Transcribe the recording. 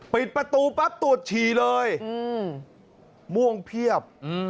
ปิดประตูปั๊บตรวจฉี่เลยม่วงเพียบ